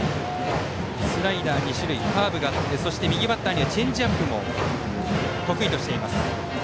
スライダー２種類カーブがあって右バッターにはチェンジアップも得意としています。